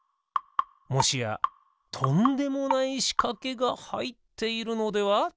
もしやとんでもないしかけがはいっているのでは？